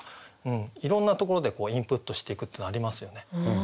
いろんなところでインプットしていくっていうのはありますよね。